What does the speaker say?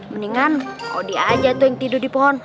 mendingan odi aja tuh yang tidur di pohon